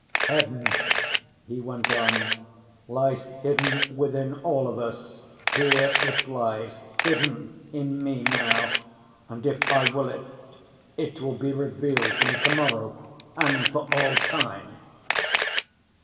"Heaven," he went on, "lies hidden within all of us—here it lies hidden in me now, and if I will it, it will be revealed to me to‐morrow and for all time."